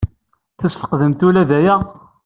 Tesfeqdemt ula d aya?